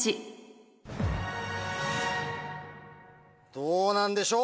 どうなんでしょう？